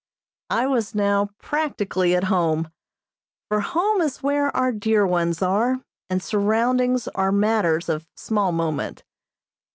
I was now practically at home, for home is where our dear ones are, and surroundings are matters of small moment.